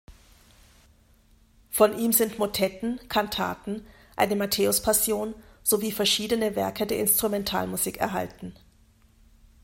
Von ihm sind Motetten, Kantaten, eine Matthäus-Passion, sowie verschiedene Werke der Instrumentalmusik erhalten.